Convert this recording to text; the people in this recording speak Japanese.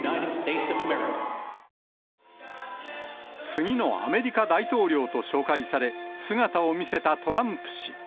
次のアメリカ大統領と紹介され、姿を見せたトランプ氏。